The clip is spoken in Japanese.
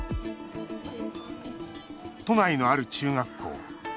都内の、ある中学校。